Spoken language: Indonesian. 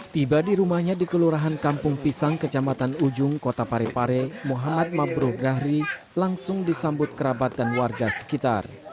tiba di rumahnya di kelurahan kampung pisang kecamatan ujung kota parepare muhammad mabrur dahri langsung disambut kerabatkan warga sekitar